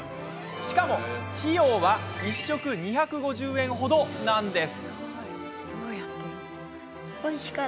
しかも費用は１食２５０円程なんです。